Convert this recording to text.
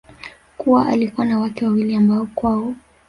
kuwa alikuwa na wake wawili ambao kwao